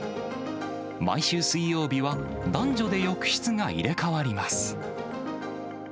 毎週水曜日は、男女で浴室が入れ替わります。